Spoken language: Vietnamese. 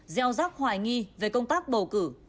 gieo rắc hoài nghi về công tác bầu cử